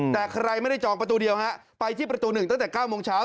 แต่ใครไม่ได้จองประตูเดียวฮะไปที่ประตู๑ตั้งแต่๙โมงเช้า